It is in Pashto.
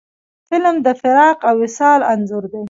فلم د فراق او وصال انځور دی